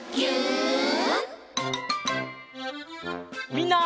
みんな！